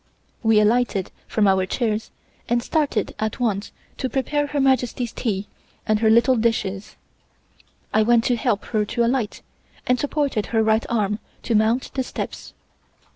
We alighted from our chairs and started at once to prepare Her Majesty's tea and her little dishes. I went to help her to alight, and supported her right arm to mount the steps.